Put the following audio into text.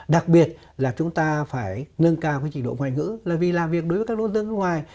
đặc biệt là chúng ta phải nâng cao cái trình độ ngoại ngữ là vì làm việc đối với các đối tượng nước ngoài